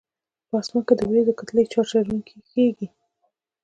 په اسمان کې د وریځو کتلې چارج لرونکي کیږي.